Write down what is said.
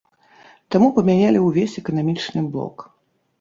Таму памянялі ўвесь эканамічны блок.